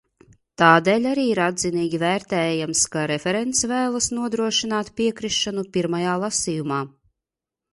Tādēļ arī ir atzinīgi vērtējams, ka referents vēlas nodrošināt piekrišanu pirmajā lasījumā.